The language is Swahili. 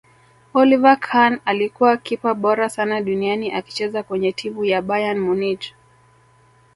oliver khan alikuwa kipa bora sana duniani akicheza kwenye timu ya bayern munich